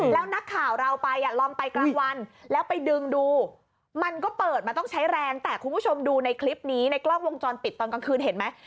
แล้วนักข่าวเราไปลองไปกลางวันแล้วไปดึงดูมันก็เปิดมาต้องใช้แรงแต่คุณผู้ชมดูในคลิปนี้ในกล้องวงจรปิดตอนกลางคืนเห็นไหม